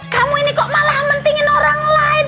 kamu ini kok malah mendingin orang lain